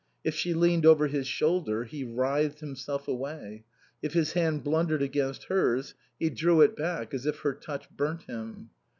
If she leaned over his shoulder he writhed himself away; if his hand blundered against hers he drew it back as if her touch burnt him.